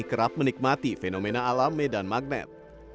kerap menikmati fenomena alam medan magnet